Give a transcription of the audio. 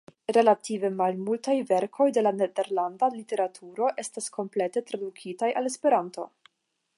Relative malmultaj verkoj de la nederlanda literaturo estas komplete tradukitaj al Esperanto.